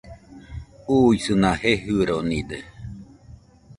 Uisɨna jejɨronide